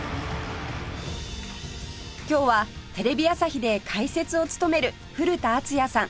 今日はテレビ朝日で解説を務める古田敦也さん